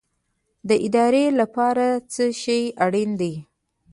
د ارادې لپاره څه شی اړین دی؟